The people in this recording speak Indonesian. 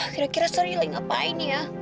kira kira serius ngapain ya